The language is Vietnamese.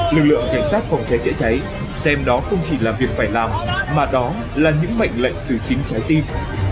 lực lượng cảnh sát phòng cháy chữa cháy xem đó không chỉ là việc phải làm mà đó là những mệnh lệnh từ chính trái tim